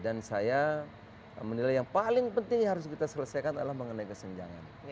saya menilai yang paling penting yang harus kita selesaikan adalah mengenai kesenjangan